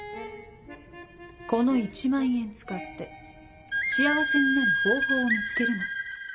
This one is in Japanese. この１万円使って幸せになる方法を見つけるの。